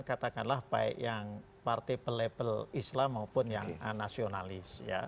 katakanlah baik yang partai pelabel islam maupun yang nasionalis